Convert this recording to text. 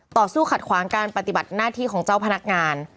ต่อสู้ขัดขวางการปฏิบัติหน้าที่ของเจ้าพนักงาน